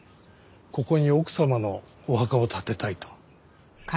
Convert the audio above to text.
ここに奥様のお墓を建てたいと。